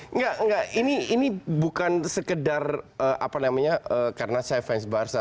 enggak enggak ini bukan sekedar karena saya fans barca